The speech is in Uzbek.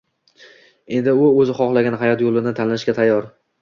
Endi u oʻzi xohlagan hayot yoʻlini tanlashga tayyor.